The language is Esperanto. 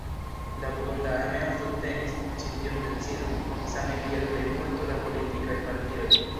La burunda armeo subtenis ĉi tiun decidon, same kiel plejmulto da politikaj partioj.